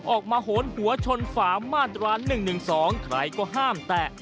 โหนหัวชนฝามาตรา๑๑๒ใครก็ห้ามแตะ